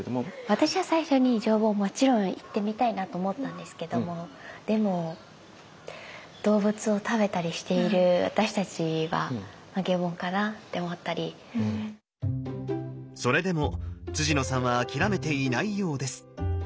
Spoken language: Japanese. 私は最初に上品もちろん行ってみたいなと思ったんですけどもでもそれでも野さんは諦めていないようです。